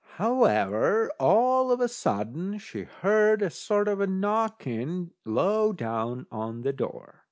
However, all of a sudden she heard a sort of a knocking low down on the door.